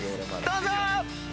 どうぞ！